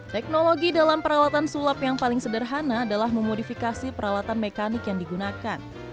teknologi dalam peralatan sulap yang paling sederhana adalah memodifikasi peralatan mekanik yang digunakan